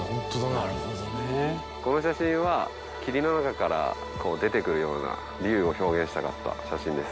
この写真は霧の中から出てくるような龍を表現したかった写真です。